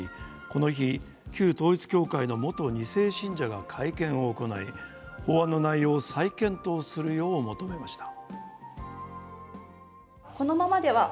この日、旧統一協会の元２世信者が会見を行い、法案の内容を再検討するよう求めました。